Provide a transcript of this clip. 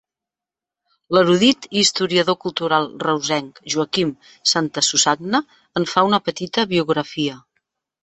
L'erudit i historiador cultural reusenc Joaquim Santasusagna en fa una petita biografia.